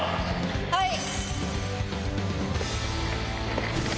はい！